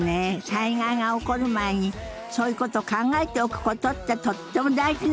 災害が起こる前にそういうことを考えておくことってとっても大事なことだと思うわ。